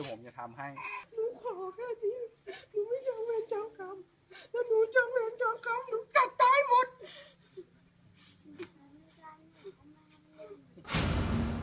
หนูกัดตายหมด